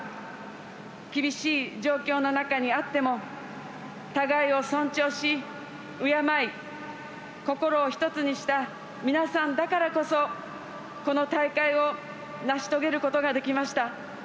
厳しい状況の中にあっても互いを尊重し、敬い心を一つにした皆さんだからこそこの大会を成し遂げることができました。